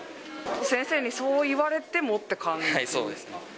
先生にそう言われてもって感はい、そうですね。